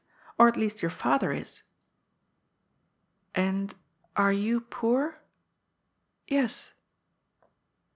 Or at least your father is." " And are you poor ?"" Yes."